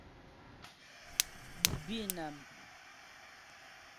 Bînàm.